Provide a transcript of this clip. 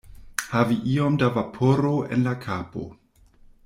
Havi iom da vaporo en la kapo.